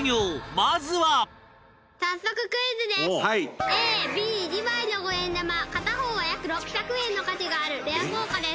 まずは達哉君：Ａ、Ｂ、２枚の五円玉片方は、約６００円の価値があるレア硬貨です。